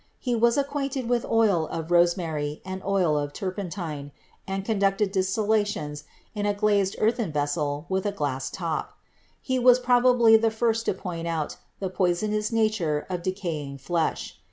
He was acquainted with oil of rosemary and oil of turpentine, and conducted distillations in a glazed earthen vessel with a glass top. He was probably the first to point out the poisonous nature of decaying flesh.